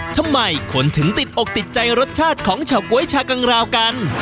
ทำไมคนถึงติดอกติดใจรสชาติของเฉาก๊วยชากังราวกัน